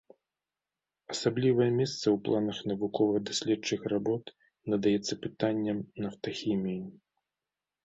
Асаблівае месца ў планах навукова-даследчых работ надаецца пытанням нафтахіміі.